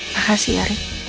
makasih ya rick